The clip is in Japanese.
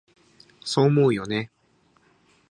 そう思うよね？